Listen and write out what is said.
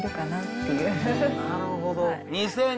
なるほど。